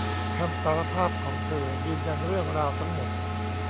คำสารภาพของเธอยืนยันเรื่องราวทั้งหมด